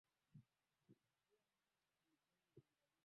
mkawafanye mataifa yote kuwa wanafunzi mkiwabatiza kwa jina la